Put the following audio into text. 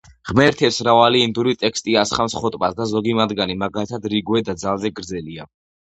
ღმერთებს მრავალი ინდური ტექსტი ასხამს ხოტბას და ზოგი მათგანი, მაგალითად, რიგ ვედა, ძალზე გრძელია.